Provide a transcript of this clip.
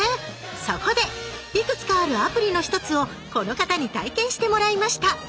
そこでいくつかあるアプリの１つをこの方に体験してもらいました！